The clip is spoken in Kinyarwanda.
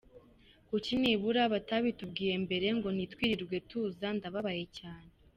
Kuki nibura batabitubwiye mbere ngo ntitwirirwe tuza, ndababaye cyane.